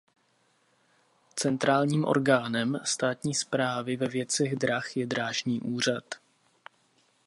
Centrálním orgánem státní správy ve věcech drah je Drážní úřad.